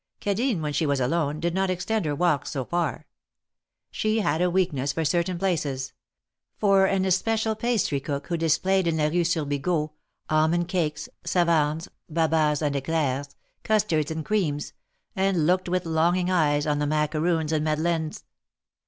Cadine, when she was alone, did not extend her walks so far. She had a weakness for certain places — for an especial pastry cook who displayed in la Rue Surbigo almond cakes, savarns, babas and 6clairs, custards and THE MARKETS OF PARIS. 195 creams, and looked with longing eyes on the macaroons and madeleines.